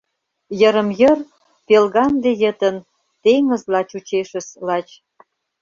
Йырым-йыр — пелганде йытын, теҥызла чучешыс лач.